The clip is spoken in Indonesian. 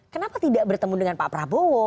kenapa tidak bertemu dengan pak prabowo